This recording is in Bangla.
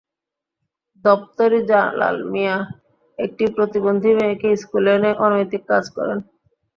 দপ্তরি জালাল মিয়া একটি প্রতিবন্ধী মেয়েকে স্কুলে এনে অনৈতিক কাজ করেন।